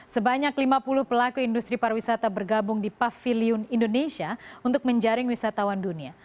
sebanyak lima puluh pelaku industri pariwisata bergabung di pavilion indonesia untuk menjaring wisatawan dunia